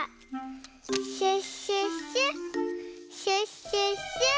シュッシュッシュシュッシュッシュ！